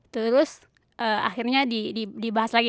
terus akhirnya dibahas lagi